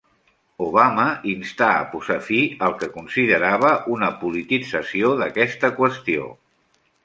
Obama instà a posar fi al que considerava una politització d'aquesta qüestió.